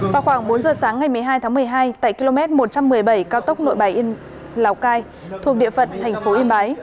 vào khoảng bốn giờ sáng ngày một mươi hai tháng một mươi hai tại km một trăm một mươi bảy cao tốc nội bài lào cai thuộc địa phận thành phố yên bái